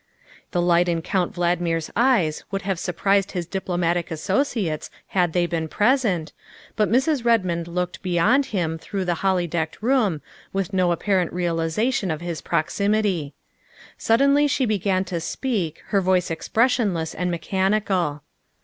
'' The light in Count Valdmir 's eyes would have sur prised his diplomatic associates had they been present, but Mrs. Redmond looked beyond him through the holly decked room with no apparent realization of his prox imity. Suddenly she began to speak, her voice expres sionless and mechanical.